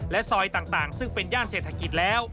ซอยต่างซึ่งเป็นย่านเศรษฐกิจแล้ว